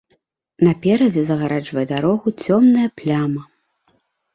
Наперадзе загараджвае дарогу цёмная пляма.